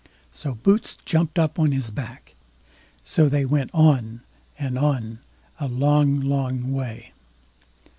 So Boots jumped up on his back. So they went on, and on, a long, long way.